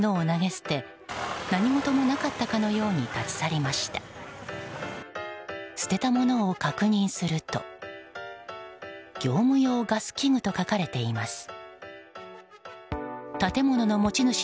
捨てたものを確認すると業務用ガス器具と書かれています。